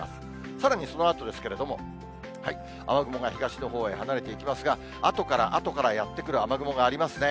さらにそのあとですけれども、雨雲が東のほうへ離れていきますが、あとからあとからやって来る雨雲がありますね。